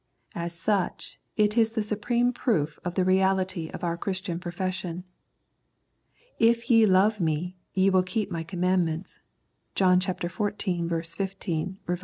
As such it is the supreme proof of the reality of our Christian profession. " If ye love Me, ye will keep My commandments" (John xiv. 15, R.V.).